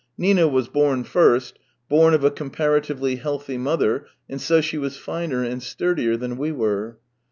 Nina was born first — born of a com paratively healthy mother, and so she was finer and sturdier than we were.